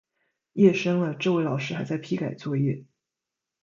夜深了，这位老师还在批改作业